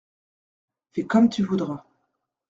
Fais comme tu voudras…